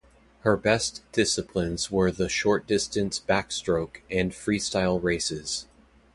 Her best disciplines were the short distance backstroke and freestyle races.